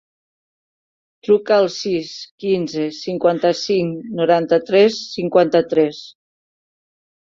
Truca al sis, quinze, cinquanta-cinc, noranta-tres, cinquanta-tres.